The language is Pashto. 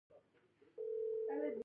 آزاد تجارت مهم دی ځکه چې انرژي نوې راوړي.